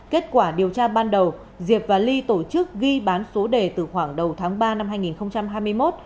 kết quả điều tra ban đầu diệp và ly tổ chức ghi bán số đề từ khoảng đầu tháng ba năm hai nghìn hai mươi một